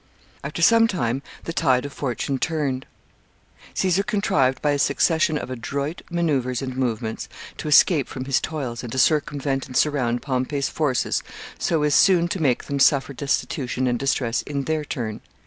] After some time the tide of fortune turned Caesar contrived, by a succession of adroit maneuvers and movements, to escape from his toils, and to circumvent and surround Pompey's forces so as soon to make them suffer destitution and distress in their turn.